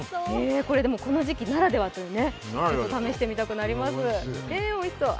この時期ならではという、試してみたくなります。